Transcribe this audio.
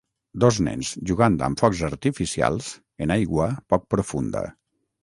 Dos nens jugant amb focs artificials en aigua poc profunda